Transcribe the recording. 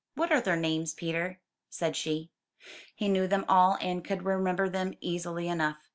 What are their names, Peter?'' said she. He knew them all and could remember them easily enough.